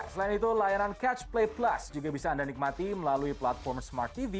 selain itu layanan catch play plus juga bisa anda nikmati melalui platform smart tv